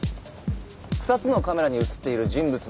２つのカメラに映っている人物のうち